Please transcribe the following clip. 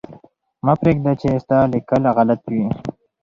مه پرېږده چې ستا لیکل غلط وي.